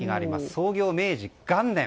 創業明治元年。